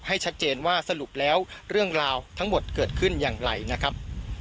ให้ชัดเจนว่าสรุปแล้วเรื่องราวทั้งหมดเกิดขึ้นอย่างไรนะครับ